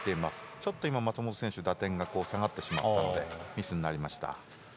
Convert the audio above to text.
ちょっと今は松本選手打点が下がってしまったのでミスになりました。